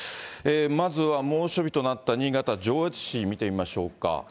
まずは猛暑日となった新潟・上越市、見てみましょうか。